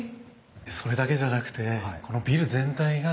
それだけじゃなくてこのビル全体がですね